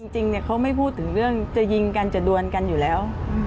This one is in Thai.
จริงเขาไม่พูดถึงเรื่องจะยิงกันจะดวนกันอยู่แล้ว